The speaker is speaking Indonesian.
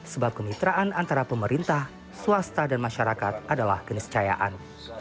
sebab kemitraan antara pemerintah swasta dan masyarakat adalah keniscayaan